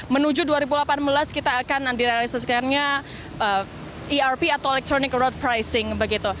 menuju dua ribu delapan belas kita akan direalisasikannya erp atau electronic road pricing